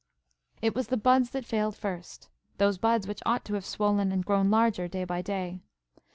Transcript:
It was the buds that failed first; those buds which ought to have swollen and grown larger day by day.